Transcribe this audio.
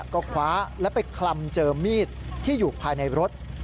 ก็คว้าแล้วไปคลำเจอมีดที่อยู่ภายในรถ